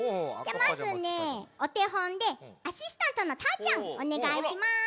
まずねおてほんでアシスタントのたーちゃんおねがいします。